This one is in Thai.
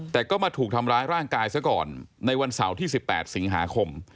แต่ก็มาถูกทำร้ายร่างกายซะก่อนในวันเสาร์ที่๑๘สิงหาคม